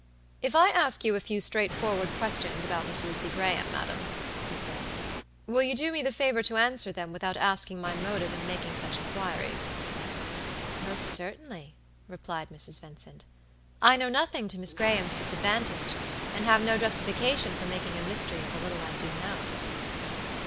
"If I ask you a few straightforward questions about Miss Lucy Graham, madam," he said. "Will you do me the favor to answer them without asking my motive in making such inquiries?" "Most certainly," replied Mrs. Vincent. "I know nothing to Miss Graham's disadvantage, and have no justification for making a mystery of the little I do know."